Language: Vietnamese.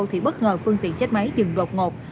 thì bất ngờ phương tiện chết máy dừng đột ngột